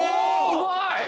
うまい！